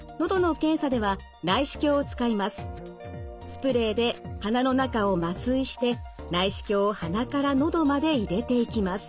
スプレーで鼻の中を麻酔して内視鏡を鼻から喉まで入れていきます。